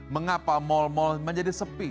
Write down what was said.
mengapa mall mall menjadi sepi